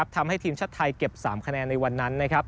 ทำให้ทีมชาติไทยเก็บ๓คะแนนในวันนั้น